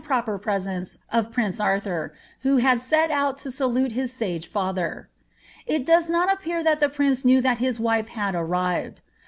proper pretence of prince Arthur, who had set out to nlute his age nither.'' It does not appear that the prince knew that his wife had ar rived.